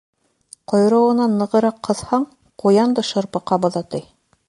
Ҡойроғонан нығыраҡ ҡыҫһаң, ҡуян да шырпы ҡабыҙа, ти.